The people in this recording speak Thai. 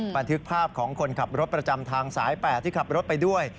บันทึกภาพของคนขับรถประจำทางสาย๘ที่ขับรถไปด้วย